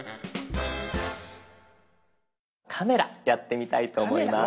カメラやってみたいと思います。